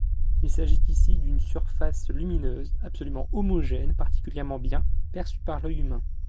Il s'agit ici d'une surface lumineuse absolument homogène particulièrement bien perçue par l'œil humain.